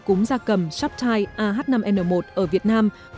cúng gia cầm shoptie ah năm n một ở việt nam